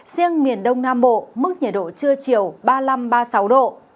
riêng miền đông nam bộ mức nhiệt độ trưa chiều ba mươi năm ba mươi sáu độ